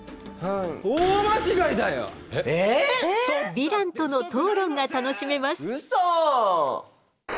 ヴィランとの討論が楽しめます。